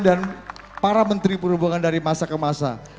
dan para menteri perhubungan dari masa ke masa